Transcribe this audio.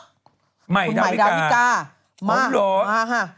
ใหม่ดาวิกาผมรู้คุณใหม่ดาวิกามากมาฮะ